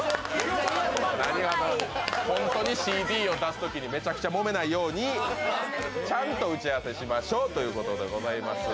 本当にＣＤを出すときにめちゃくちゃもめないようにちゃんと打ち合わせしましょうということでございます。